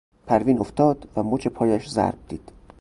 پروین افتاد و مچ پایش ضرب دید.